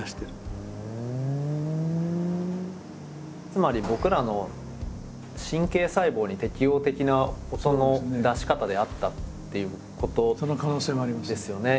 つまり僕らの神経細胞に適応的な音の出し方であったっていうこと。ですよね。